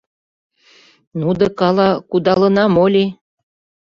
— Ну дык ала кудалына моли?